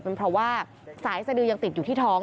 เป็นเพราะว่าสายสดือยังติดอยู่ที่ท้อง